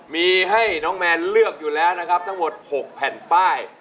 มีให้น้องแมนเลือกอยู่แล้วนะครับทั้งหมด๖แผ่นป้าย